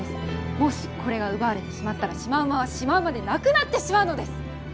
もしこれが奪われてしまったらシマウマはシマウマでなくなってしまうのです！